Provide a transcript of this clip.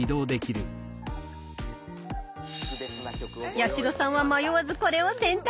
八代さんは迷わずこれを選択。」）